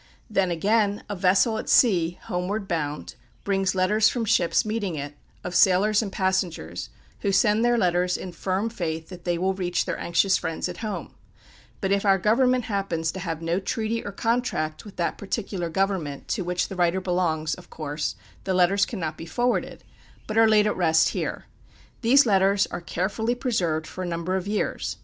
Then again, a vessel at sea, homeward bound, brings letters from ships meeting it, of sailors and passengers, who send their letters in firm faith that they will reach their anxious friends at home; but if our Government happens to have no treaty or contract with that particular government to which the writer belongs, of course, the letters cannot be forwarded, but are laid at rest here. These letters are carefully preserved for a number of years.